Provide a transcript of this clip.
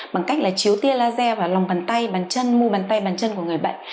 bằng cách là chiếu tia laser vào lòng bàn tay bàn chân mua bàn tay bàn chân của người bệnh